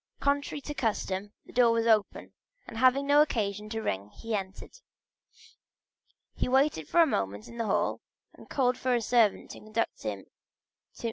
Contrary to custom, the door was open, and having no occasion to ring he entered. He waited for a moment in the hall and called for a servant to conduct him to M.